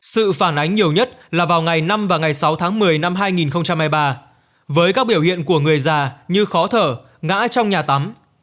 sự phản ánh nhiều nhất là vào ngày năm và ngày sáu tháng một mươi năm hai nghìn hai mươi ba với các biểu hiện của người già như khó thở ngã trong nhà tắm